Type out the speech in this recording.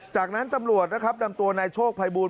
จากนั้นตำรวจนะครับนำตัวนายโชคภัยบูล